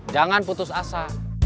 jangan putus asa